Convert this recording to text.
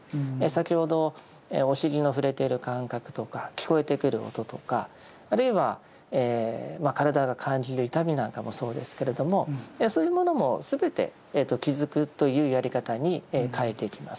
先ほどお尻の触れている感覚とか聞こえてくる音とかあるいは体が感じる痛みなんかもそうですけれどもそういうものも全て気づくというやり方に変えていきます。